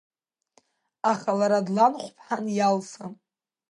Аха лара дланхәԥҳан Иалса.